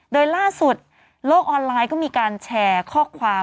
โดยล่าสุดโลกออนไลน์ก็มีการแชร์ข้อความ